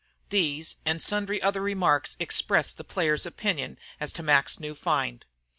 These and sundry other remarks expressed the players' opinion as to Mac's new find.